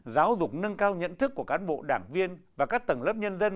giáo dục nâng cao nhận thức của cán bộ đảng viên và các tầng lớp nhân dân